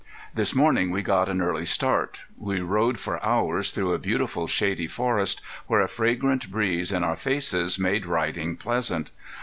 This morning we got an early start. We rode for hours through a beautiful shady forest, where a fragrant breeze in our faces made riding pleasant.